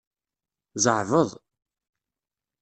Zeɛbeḍ.